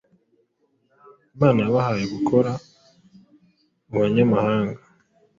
Imana yabahaye gukora mu banyamahanga